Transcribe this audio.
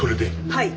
はい。